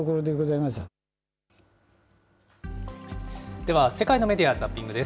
では、世界のメディア・ザッピングです。